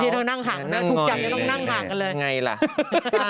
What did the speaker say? นี่เรานั่งห่างถูกจัดแล้วต้องนั่งห่างกันเลย